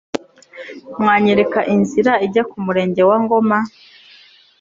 mwanyereka inzira ijya ku murenge wa ngoma